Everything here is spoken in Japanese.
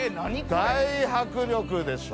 大迫力でしょ。